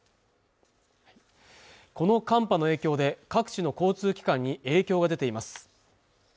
この寒波の影響で各地の交通機関に影響が出ています